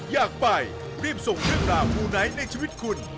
อยากไปรีบส่งเรื่องราวมูไนท์ในชีวิตคุณ